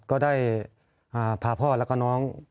ก็ได้พาพ่อแล้วก็น้อง